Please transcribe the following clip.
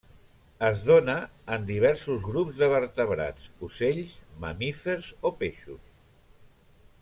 Es dóna en diversos grups de vertebrats, ocells, mamífers, o peixos.